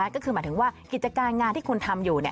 ก็คือหมายถึงว่ากิจการงานที่คุณทำอยู่